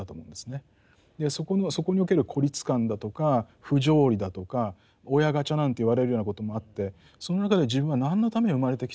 そこにおける孤立感だとか不条理だとか親ガチャなんて言われるようなこともあってその中で自分は何のために生まれてきたんだろう